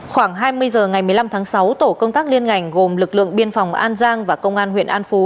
khoảng hai mươi h ngày một mươi năm tháng sáu tổ công tác liên ngành gồm lực lượng biên phòng an giang và công an huyện an phú